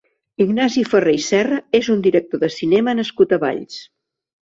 Ignasi Ferré i Serra és un director de cinema nascut a Valls.